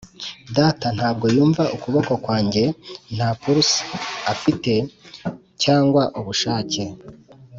data ntabwo yumva ukuboko kwanjye, nta pulse afite cyangwa ubushake,